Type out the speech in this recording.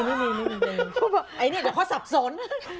นี่เดี๋ยวเขาสับสน